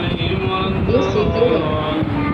Весе керек...